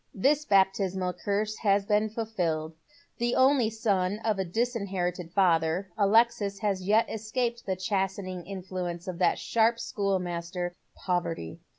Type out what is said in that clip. This baptismal curse has been fulfilled. The only eon of it disinherited father, Alexia has yet escaped the chastening influence of that sharp schoolmaster, Poverty.